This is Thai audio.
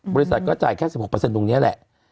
บริษัทก็จ่ายแค่๑๖ตรงนี้แหละ